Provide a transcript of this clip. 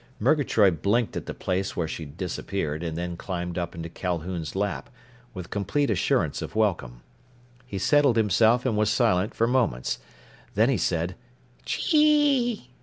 Murgatroyd blinked at the place where she'd disappeared and then climbed up into Calhoun's lap, with complete assurance of welcome. He settled himself and was silent for moments. Then he said, "_Chee!